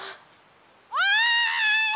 おい！